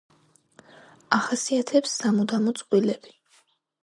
ახასიათებს სამუდამო წყვილები.